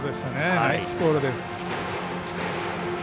ナイスボールです。